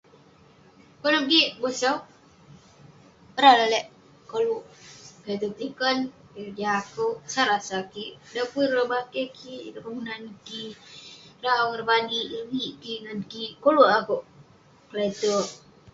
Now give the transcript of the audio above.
[unintelligible] bareng akouk lalek koluk kelete'erk petiken, jadi akeuk sat rasa kik. Dan pun ireh bakeh kik, ireh kelunan kik, ireh aong, ireh padik, ireh vik kik ngan kik, koluk akeuk kelete'erk.